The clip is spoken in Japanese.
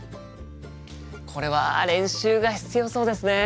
これは練習が必要そうですね。